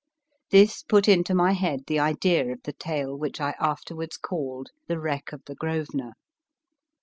This put into my head the idea of the tale which I afterwards called The Wreck of the " Grosvenor."